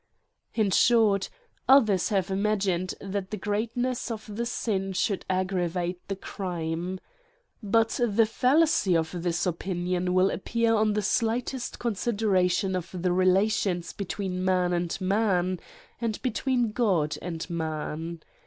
In short, others have imagined, that the great ness of the sin should aggravate the crime. But the fallacy of this opinion will appear on the slightest consideration of the relations between man and man, and between God and man.